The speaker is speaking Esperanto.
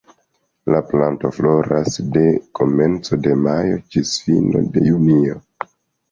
La planto floras de komenco de majo ĝis fino de junio.